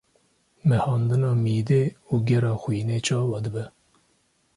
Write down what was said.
mehandina mîdê û gera xwînê çawa dibe?